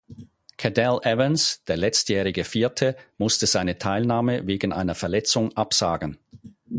Cadel Evans, der letztjährige Vierte, musste seine Teilnahme wegen einer Verletzung absagen.